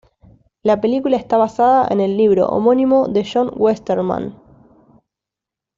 La película está basada en el libro homónimo de John Westermann.